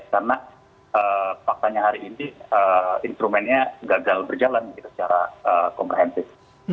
karena faktanya hari ini instrumennya gagal berjalan gitu secara komprehensif